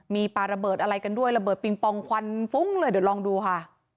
มีปลาระเบิดอะไรกันด้วยระเบิดปิงปองควันฟุ้งเลยเดี๋ยวลองดูค่ะ